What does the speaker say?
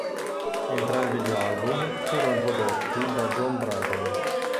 Entrambi gli album furono prodotti da "John Braden".